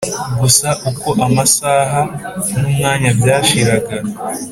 gusa uko amasaha numwanya byashiraga